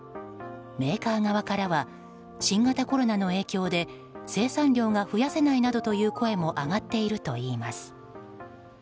メーカー側からは新型コロナの影響で生産量が増やせないなどという声も上がっているといいます。